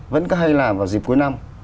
vẫn có hay làm vào dịp cuối năm